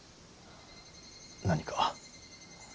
何か。